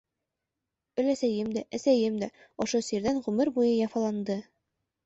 Өләсәйем дә, әсәйем дә ошо сирҙән ғүмер буйы яфаланды.